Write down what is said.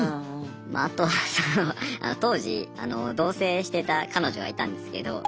あとはその当時同せいしてた彼女がいたんですけど。